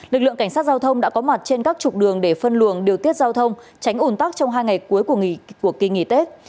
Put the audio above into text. lực lượng cảnh sát giao thông đã có mặt trên các trục đường để phân luồng điều tiết giao thông tránh ủn tắc trong hai ngày cuối của kỳ nghỉ tết